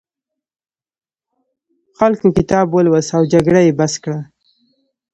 خلکو کتاب ولوست او جګړه یې بس کړه.